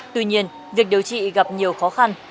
tuy nhiên việc điều trị gặp nhiều khó khăn